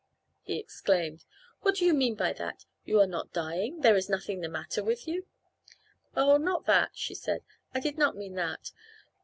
he exclaimed; "what do you mean by that! You are not dying. There is nothing the matter with you." "Oh, not that," she said, "I did not mean that.